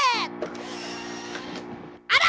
あら！